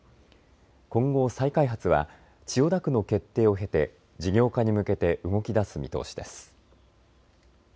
今後、再開発は千代田区の決定を経て事業化に向けて動きだす見通しです。